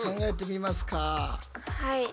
はい。